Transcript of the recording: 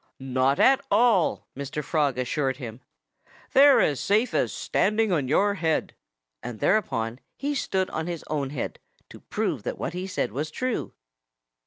"Not at all!" Mr. Frog assured him. "They're as safe as standing on your head." And thereupon he stood on his own head, to prove that what he said was true.